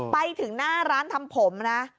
ไปถึงหน้าร้านทำผมนะ